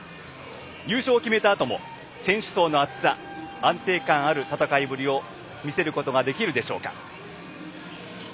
優勝を決めたあとも選手層の厚さ安定感ある戦いぶりを見せることができるでしょうか。